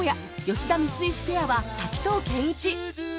吉田・光石ペアは滝藤賢一